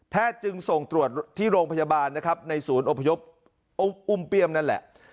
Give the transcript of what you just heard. จึงส่งตรวจที่โรงพยาบาลนะครับในศูนย์อพยพอุ้มเปี้ยมนั่นแหละ